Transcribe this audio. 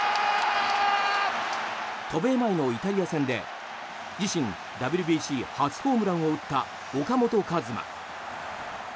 渡米前のイタリア戦で自身ＷＢＣ初ホームランを打った岡本和真。